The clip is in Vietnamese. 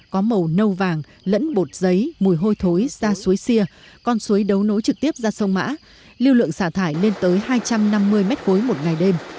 có màu nâu vàng lẫn bột giấy mùi hôi thối ra suối xia con suối đấu nối trực tiếp ra sông mã liêu lượng xả thải lên tới hai trăm năm mươi mét khối một ngày đêm